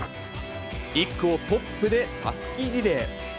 １区をトップでたすきリレー。